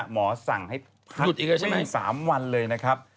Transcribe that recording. หมอสั่งให้พักวิ่ง๓วันเลยนะครับ